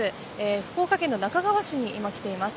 福岡県の那珂川市に来ています。